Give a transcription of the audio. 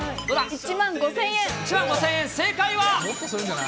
１万５０００円、正解は。